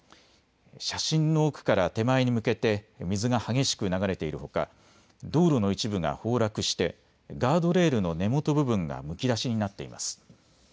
写真の奥から手前に向けて水が激しく流れているほか道路の一部が崩落してガードレールの根元部分がむき出しになっています。